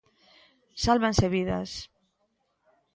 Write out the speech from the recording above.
Sálvanse vidas.